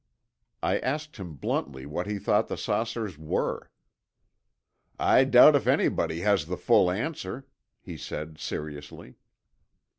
I asked him bluntly what he thought the saucers were. "I doubt if anybody has the full answer," he said seriously.